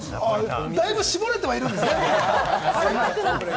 だいぶ絞れてはいるんですね。